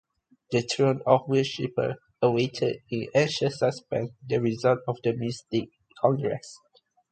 The throng of worshipers awaited in anxious suspense the result of the mystic congress.